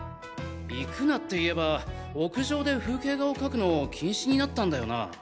行くなっていえば屋上で風景画を描くの禁止になったんだよな。